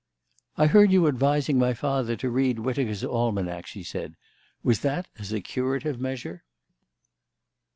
"I heard you advising my father to read Whitaker's Almanack," she said. "Was that as a curative measure?"